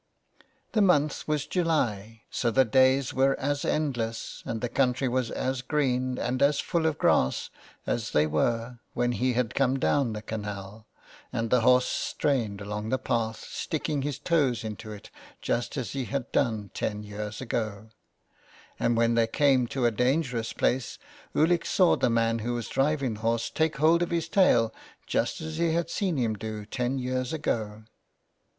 The month was July, so the days were as endless and the country was as green and as full of grass, as they were when he had come down the canal, and the horse strained along the path, sticking his toes into it just as he had done ten years ago ; and when they came to a dangerous place Ulick saw the 292 so ON HE FARES. man who was driving the horse take hold of his tail, just as he had seen him do ten years ago.